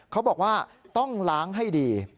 เขาบอกว่าต้องล้างให้ดี